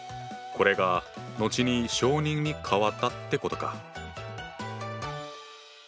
これが後に小人に変わったってことか。